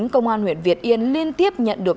công an huyện việt yên liên tiếp nhận được